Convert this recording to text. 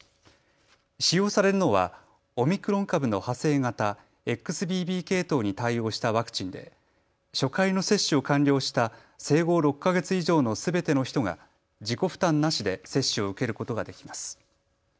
使用されるのはオミクロン株の派生型ＸＢＢ系統に対応したワクチンで初回の接種を完了した生後６か月以上のすべての人が自己負担なしで接種を受けることができます。